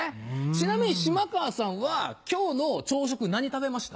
ちなみに嶋川さんは今日の朝食何食べました？